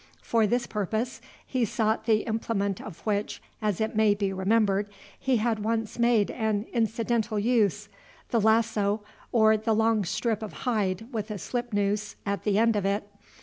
For this purpose he sought the implement of which, as it may be remembered, he had once made an incidental use, the lasso, or long strip of hide with a slip noose at the end of it.